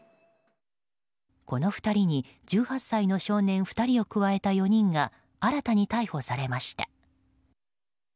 この２人に１８歳の少年２人を加えた４人が新たに逮捕されました。